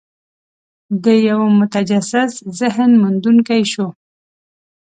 د یوه متجسس ذهن موندونکي شو.